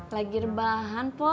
lagi rebahan pok